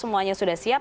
semuanya sudah siap